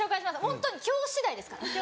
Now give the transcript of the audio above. ホントに今日次第ですから。